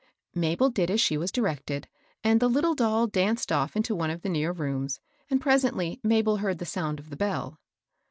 Mabel did as she was directed, and the little doll danced off into one of the near rooms, and pre^ ently Mabel heard the sound of the bell.